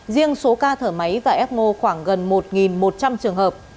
riêng số ca thở máy và f năm khoảng gần một một trăm linh trường hợp